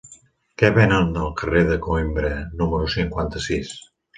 Què venen al carrer de Coïmbra número cinquanta-sis?